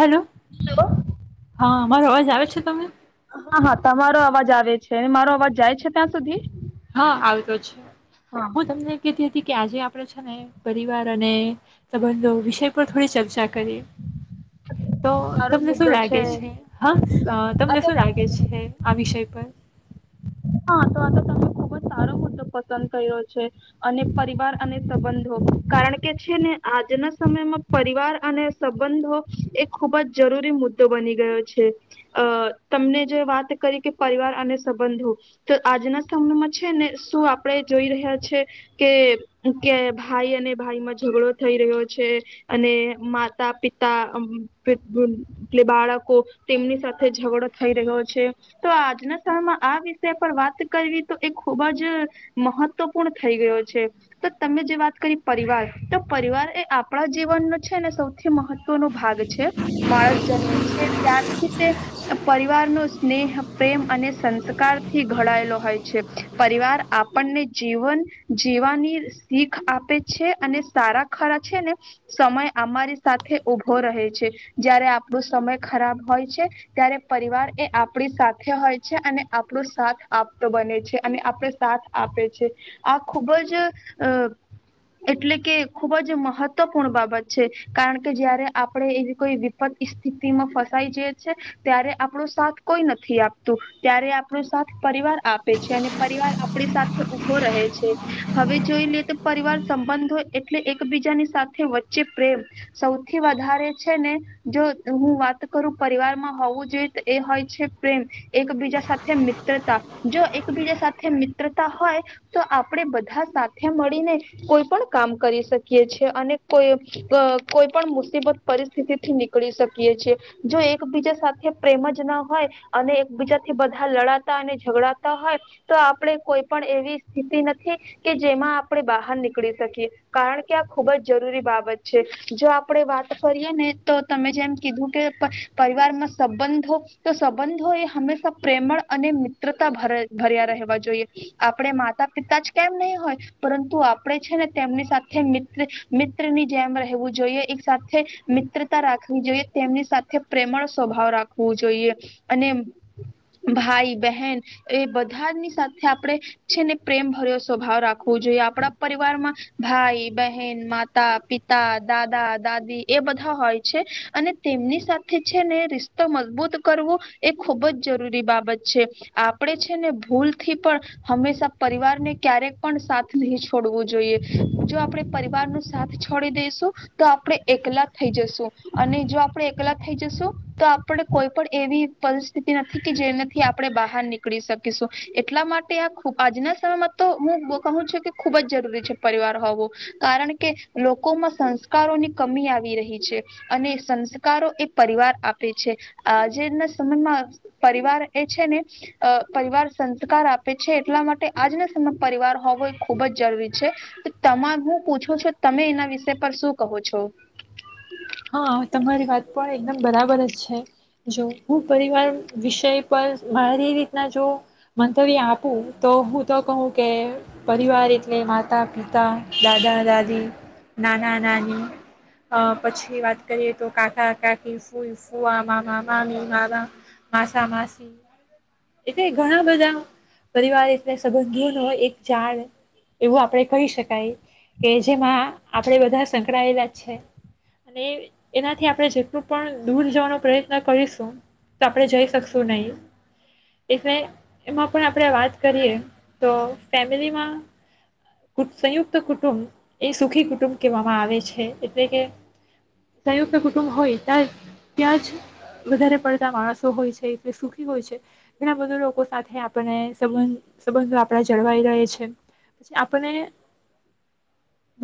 Hello હા. મારો અવાજ આવે છે તમને? હા હા તમારો અવાજ આવે છે મારો અવાજ જાય છે ત્યાં સુધી. હા હા [unintelligible] હું તમને કેતી હતી કે આજે આપણે છે ને પરિવાર અને સંબંધો વિષય પર થોડી ચર્ચા કરીએ. તો સારો તમને શું મુદ્દો લાગે છે હા અ આ તમને તો શું લાગે છે આ વિષય પર. હા તો આ તો તને ખૂબ જ સારો મુદ્દો પસંદ કર્યો છે. અને પરિવાર અને સંબંધો કારણ કે છે ને આજના સમયમાં પરિવાર અને સંબંધો એ ખૂબ જ જરૂરી મુદ્દો બની ગયો છે અ તમને જે વાત કરી કે પરિવાર અને સંબંધો. તો આજના સમયમાં છે ને શું આપડે જોઈ રહ્યા છે કે કે ભાઈ અને ભાઈ માં ઝઘડો થઈ રહ્યો છે અને માતા પિતા એટ બાળકો તેમની સાથે ઝઘડો થઈ રહ્યો છે તો આજના સમયમાં આ વાત કરવી તો એ ખૂબ જ મહત્વપૂર્ણ થઈ ગયો છે તો તમે જે વાત કરી પરિવાર તો પરિવાર એ આપણા જીવનનો છે ને સૌથી મહત્વનો ભાગ છે માણસ જન્મે છે ત્યારથી તે પરિવારનો સ્નેહ પ્રેમ અને સંસ્કાર થી ઘડાયેલો હોય છે. પરિવાર આપણને જીવન જીવાની શીખ આપે છે. અને સારા ખરા છે ને સમય અમારી સાથે ઉભો રહે છે જય્યારે આપણો સમય ખરાબ હોય છે ત્યારે પરિવાર એ આપણી સાથે હોય છે અને આપ આપણો સાથ આપતો બને છે અને આપણે સાથ આપે છે આ ખુબ જ એટલે કે ખુબ જ મહત્વપૂર્ણ બાબત છે કારણ કે જયારે આપણે એવી કોઈ વિપત સ્થિતિમાં ફસાઈ જઈ છે ત્યારે આપણો સાથ કોઈ નથી આપતું ત્યારે આપ આપણો સાથ પરિવાર આપે છે અને પરિવાર આપણી સાથે ઉભો રહે છે હવે જોઈ લે તો પરિવાર સંબંધો એટલે એકબીજાની સાથે વચ્ચે પ્રેમ સૌથી વધારે છે ને જો હું વાત કરું પરિવારમાં હોવું જોઈએ તો એ હોય છે પ્રેમ એકબીજા સાથે છે મિત્રતા. જો એકબીજા સાથે મિત્રતા હોય તો આપણે બધા સાથે મળીને કોઈ પણ કામ કરી શકીએ છીએ અને કોઈ કોઈ પણ મુસીબત પરિસ્થિતિ થી નીકળી શકીએ છએ જો એકબીજા સાથે પ્રેમ જ ના હોય અને એકબીજાથી બધું બ લડાતા અને ઝઘડાતા હોય તો આપણે કોઈ પણ એવી સ્થિતિ નથી કે જેમાં આપણે બહાર નીકળી શકીએ. કારણ કે આ ખુબ જ જરૂરી બાબત. છે, આપણેે વાત કરીએ ને તો તમે જેમ કીધું કે પરિવારમાં સંબંધો તો સંબંધો એ હંમેશા પ્રેમળ અને મિત મિત્રતા ભર ભર્યા રહેવા જોઈએ, આપણે માતા પિતા જ કેમ નહીં હોય પરંતુ આપણે છે ને તેમની સાથે મિત્ર મિત્રની જેમ રહેવું જોઈએ, એક સાથે મિત્રતા રાખવી જોઈએ તેમની સાથે પ્રેમળ સ્વભાવ રાખવું જોઈએ અને. ભાઈ બહેન એ બધાની સાથે આપણે છે ને પ્રેમ ભર્યો સ્વભાવ રાખવો જોઈએ, આપણા પરિવારમાં ભાઈ, બહેન, માતા, પિતા, દાદા, દાદી એ બધા હોય છે અને તેમની સાથે છે ને રિશતો મજબૂત કરવો એ ખૂબ જ જરૂરી બાબત છે આપણે છે ને ભૂલથી પણ હંમેશા પરિવારને ક્યારેક પણ સાથ નહી છોડવું જોઈએ. જો આપણે પરિવાર નો સાથ છોડી દઈશું તો આપણે એકલા થઈ જશું અને જો આપણે એકલા થઈ જશું તો, આપણે કોઈ પણ એવી પરિસ્થિ નથી જેનાથી આપણે બહાર નીકળી શકીશું એટલા માટે આ આજના સમયમાં તો હું કહું છું કે ખુબ જ જરૂરી છે, પરિવાર હોવો કારણ કે લોકોમાં સંસ્કારોની કમી આવી રહી છે અને સંસ્કારો એ પરિવાર આપે છે આજેના સમયમાં. પરિવાર એ છે ને પરિવાર સંસ્કાર આપે છે એટલા માટે આજ ને પરિવાર હોવો એ ખૂબ જ જરૂરી છે. તમા હું પૂછું છું તમે એના વિષય પર શું કહો છો? હા તમારી વાત પણ એકદમ બરાબર જ છે જો હું પરિવાર વિષય પર મારી રીતના જો મંતવ્ય આપું તો હું તો કહું કે પરિવાર એટલે માતા, પિતા, દાદા, દાદી, નાના, નાની અ પછી વાત કરીએ તો કાકા, કાકી, ફૂઆ, મામા, મામી, મામા, માસા, માસી એટલે ઘણા બધા પરિવાર એટલે સંબંધોનો એક ઝાડ એવું આપણે કહી શકાય, કે જેમાં આપણે બધા સંકળાયેલા છે અને એનાથી આપણે જેટલું પણ દૂર જવાનો પ્રયત્ન કરીશું તો આપણે જઈ શકશું નહીં. એટલે એમાં પણ આપણે વાત કરીએ તો ફેમિલીમાં સંયુક્ત કુટુંબ એ સુખી કુટુંબ કહેવામાં આવે છે, એટલે કે સંયુક્ત કુટુંબ હોય ત્યાં ત્યાં જ વધારે પડતા માણસો હોય છે એટલે સુખી હોય છે. ઘણા બધા લોકો સાથે આપને સંબંધ સંબંધો આપણા જળવાઈ રહે છે પછી આપને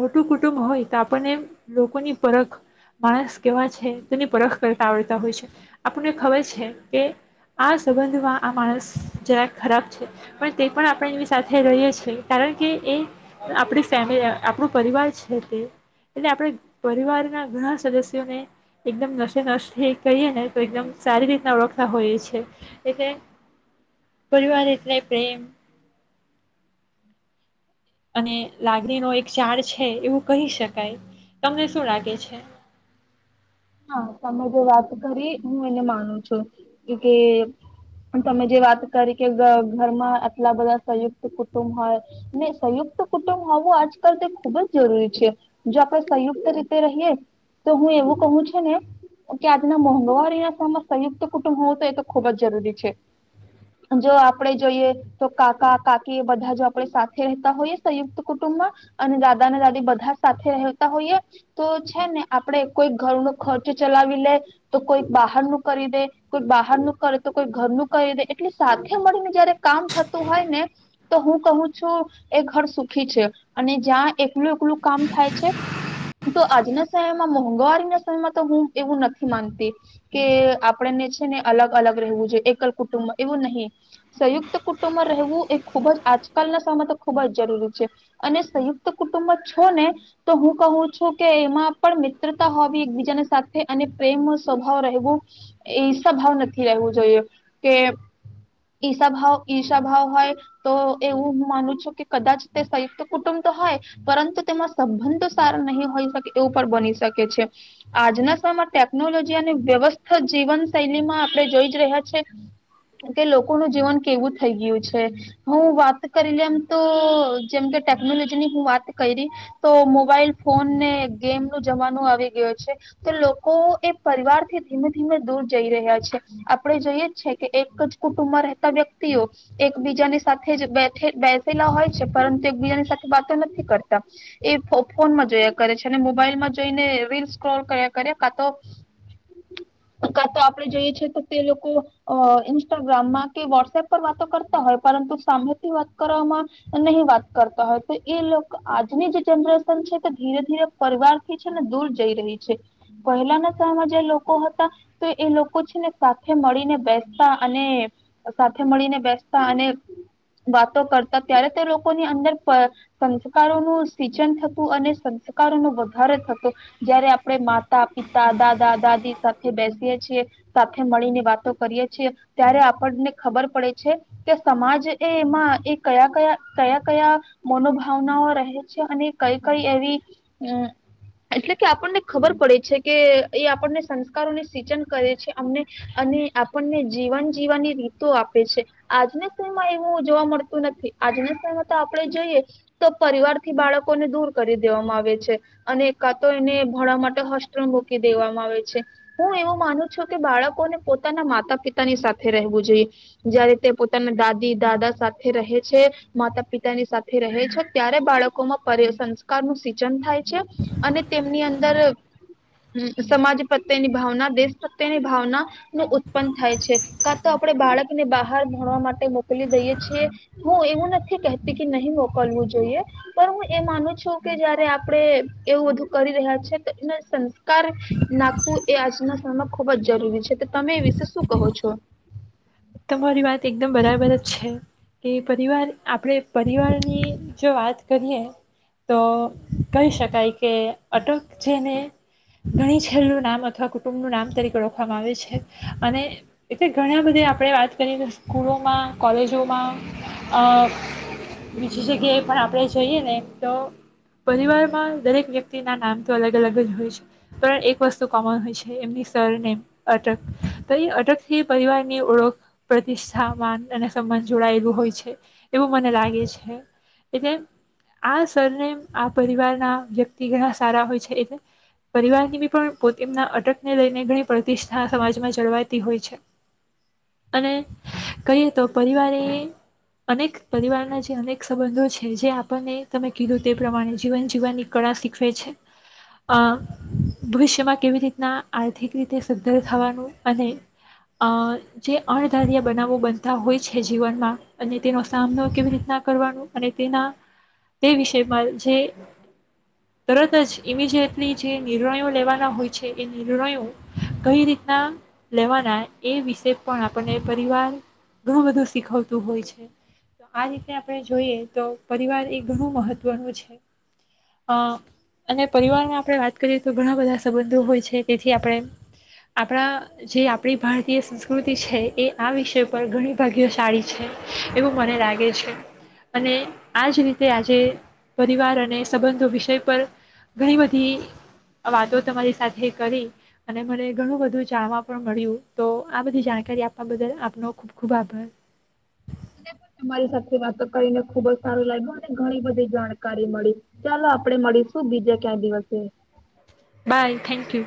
મોટું કુટુંબ હોય તો આપણને લોકોની પરખ માણસ કેવા છે તેની પરખ કરતા આવડતા હોય છે. આપણને ખબર છે કે આ સંબંધમાં આ માણસ જરાક ખરાબ છે પણ તે પણ આપણે એની સાથે રહીએ છીએ કારણ કે એ આપણી ફેમિલી આપણું પરિવાર છે તે એટલે આપણે પરિવારના ઘણા સદસ્યોને એકદમ નશે ન કહીએ ને તો એકદમ સારી રીતના ઓળખતા હોઈએ છે એટલે પરિવાર એટલે પ્રેમ [inaudible] અને લાગણીનો એક ચડ છે એવું કહી શકાય તમને શું લાગે છે હા તમે જે વાત કરી હું એને માનું છું કે તમે જે વાત કરી કે ઘરમાં આટલા બધા સંયુક્ત કુટુંબ હોય ને સંયુક્ત કુટુંબ હોવું આજકાલ તે ખુબ જ જરૂરી છે જો આપણે સંયુક્ત રીતે રહીએ તો હું એવું કહું છું [unintelligible] કે આજના મોંઘવારીના સમમાં સંયુક્ત કુટુંબ હોવું તો એ તો ખુબ જ જરૂરી છે જો આપણે જોઈએ તો કાકા કાકી બધા જો આપણે સાથે રહેતા હોઈએ સંયુક્ત કુટુંબમાં અને દાદા ને દાદી બધા સાથે રહેતા હોઈએ તો છે ને આપણે કોઈ ઘરનો ખર્ચ ચલાવી લે તો કોઈ બહાર નું કરી દે કોઈ બહાર ન કરે તો કોઈ ઘરનું કરી દે એટલે સાથે મળીને જયારે કામ થતું હોય ને તો હું કહું છું એ ઘર સુખી છે અને જ્યાં એકલું એકલું કામ થાય છે તો આજના સમયમાં મોંઘવારીને તો હું એવું નથી માનતી કે આપણને છે ને અલગ અલગ રહેવું જોઈએ એકલ કુટુંબ એવું નહીિ સંયુક્ત કુટુંબ રહેવું એ ખુબ જ આજકાલના સમય તો ખુબ જ જરૂરી છે અને સંયુક્ત કુટુંબ છો ને તો હું કહું છું કે એમાં પણ મિત્રતા હોય [inaudible] એકબીજાને સાથે અને પ્રેમ સ્વભાવ રહેવું ઈશા ભાવ નથી રહેવું જોઈએ કે ઈશા ભાવ ઈશા ભાવ હોય તો એવું હું માનું છું કે કદાચ તે સંયુક્ત કુટુંબ તો હોય પરંતુ તેમાં સંબંધ તો સારા નહીં હોય શકે એવું પણ બની શકે છે આજના સમયમાં ટેકનોલોજી અને વ્યવસ્થિત જીવન શૈલીમાં આપડે જોઈ જ રહ્યા છે કે લોકોનું જીવન કેવું થઈ ગયું છે હું વાત કરી લેમ તો જેમ કે ટેકનોલોજી ની હું વાત [unintelligible] કરી તો મોબાઈલ ફોન ને ગેમ [unintelligible] ું જવાનું આવે [unintelligible] લોકો એ પરિવાર થી ધીમે ધીમે દૂર જઈ રહ્યા છે આપડે જોઈએ છે કે એક જ કુટુંબમાં રહેતા વ્યક્તિઓ એકબીજાની સાથે જ બેસેલા હોય છે પરંતુ એકબીજાની સાથે વાતો નથી કરતા એ ફોનમાં જોયા કરે છે અને મોબાઈલમાં જોઈને રીલ [unintelligible] ્રોલ કર્યા કર કા તો કા તો આપણે જોઈએ છેએ તો તે લોકો ઇન્સ્ટાગ્રામમાં કે વોટ્સએપ પર વાતો કરતા હોય પરંતુ સામેથી વાત કરવામાં નહી વાત કરતા હોય તો એ લોકો આજની જે જનરેશન છે તે ધીરે ધીરે પરિવાર થી છે ને દૂર [unintelligible] રહી છે પહેલાના સમયમાં જે લોકો હતા તો એ લોકો છે ને સાથે મળીને બેસતા અને સાથે મળીને બેસતા અને વાતો કરતા ત્યારે તે લોકોની અંદર સંસ્કારોનુંું સિચન થતું અને સંસ્કારો ન વધારો થ [unintelligible] જયારે આપણે માતા, પિતા, દાદા, દાદી સાથે બેસીએ છીએ. સાથે મળીને વાતો કરીએ છીએ. ત્યારે આપણને ખબર પડે છે કે સમાજ એ એમાં એ કયા કયા કયા કયા મનોભાવનાઓ રહે છે. અને કઈ કઈ એવી અં એટલે કે આપણને ખબર પડે છે કે, એ આપણને સંસ્કારોને સિચન કરે છે. અમને અને આપણને જીવન જીવાની રીતો આપે છે. આજના સમયમાં એવું જોવા મળતું નથી. આજના સમયમાં તો આપણેે જોઈએ તો પરિવારથી બાળકોને દૂર કરી દેવામાં આવે છે. અને કા તો એને ભણવા માટે હોસ્ટેલ મુકી દેવામાં આવે છે. હું એવું માનું છું કે બાળકોને પોતાના માતા પિતાની સાથે રહેવું જોઈએ. જયારે તે પોતાના દાદી, દાદા સાથે રહે છે. માતા પિતાની સાથે રહે છે. ત્યારે બાળકોમાં પરી સંસ્કાર નું સિચન થાય છે. તેમની અંદર હ્મ સમાજ પ્રત્યેની ભાવના, દેશ પ્રત્યેની ભાવના નું ઉત્પન્ન થાય છે. કા તો આપણે બાળકને બહાર ભણવા માટે મોકલી દઈએ છીએ. હું એવું નથી કહેતી કે નહી મોકલવું જોઈએ. પણ, હું એ માનું છું કે, જયારે આપળે એવું બધું કરી રહ્યા છે, તો એના સન્સ કાર નાખવું એ આજના સમયમાં ખુબ જ જરૂરી છે. તો તમે એ વિશે શું કહો છો? તમારી વાત એકદમ બરાબર જ છે કે, પરિવાર આપણે પરિવારની જો વાત કરીએ તો કહી શકાય કે અટક જેને ઘણી છેલનું નામ અથવા કુટુંબનું નામ તરીકે ઓળખવામાં આવે છે. અને એટલે ઘણા બધા આ પળે વાત કરીએ તો સ્કૂલોમાં કોલેજોમાં અ બીજી જગ્યાએ પણ આપણે જઈએ ને તો, પરિવારમાં દરેક વ્યક્તિના નામ તો અલગ અલગ જ હોય છે. પણ, એક વસ્તુ કોમન હોય છે. એમની સરનેમ, અટક તો એ અટકથી પરિવારની ઓળખ પ્રતિષ્ઠા, માન અને સમ્માન જોડાયેલું હોય છે. એવું મને લાગે છે. એટલે આ સરનેમ આ પરિવારના વ્યક્તિ ઘણા સારા હોય છે એટલે પરિવારની બી પણ પો તેમના અટકને લઈને ઘણી પ્રતિષ્ઠા સમાજમાં જળવાતી હોય છે. અને કહીએ તો પરિવારે અનેક પરિવારના જે અનેક સંબંધો છે. જે આપણને તમે કીધું તે પ્રમાણે જીવન જીવવાની કળા શીખવે છે. અ ભવિષ્યમાં કેવી રીતના આર્થિક રીતે સદ્ધર થવાનું અને અ જે અણધાર્યા બનાવો બનતા હોય છે જીવનમાં. અને તેનો સામનો કેવી રીતના કરવાનો અને તેના તે વિષયમાં જે તરત જ ઇમિજિએટલી જે નિર્ણયો લેવાના હોય છે, એ નિર્ણયો કઈ રીતના લેવાના એ વિશે પણ આપણને પરિવાર ઘણું બધું શીખવતું હોય છે. તો આ રીતે આપણે જોઈએ તો પરિવાર એ ઘણું મહત્ત્વનું છે. અ અને પરિવારમાં આપણે વાત કરીએ તો ઘણા બધા સંબંધો હોય છે. તેથી આપણે આપણા જે આપણી ભારતીય સંસ્ કૃતિ છે. એ આ વિષય પર ઘણી ભાગ્યશાળી છે. એવું મને લાગે છે. અને આ જ રીતે આજે પરિવાર અને સંબંધો વિષય પર ઘણી બધી વાતો તમારી સાથે કરી અને મને ઘણું બધું જાણવા પણ મળ્યું. તો, આ બધી જાણકારી આપવા બદલ આપનો ખુબ ખુબ આભાર. મને પણ તમારી સાથે વાતો કરીને ખુબ જ સારું લાયગું અને ઘણી બધી જાણકારી મળી. ચાલો આપડે મળીશું બીજે ક્યા દિવસે. બાય. Thank you.